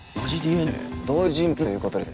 同一人物ということです。